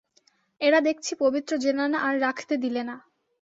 এরা দেখছি পবিত্র জেনানা আর রাখতে দিলে না।